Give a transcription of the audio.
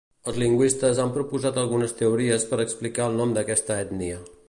Els lingüistes han proposat algunes teories per explicar el nom d'aquesta ètnia.